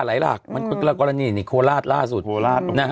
แปลอลลักษณ์และนี่นิคอราชล่าสุด